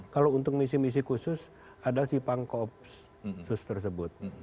kalau untuk misi misi khusus adalah si pangkoopsus tersebut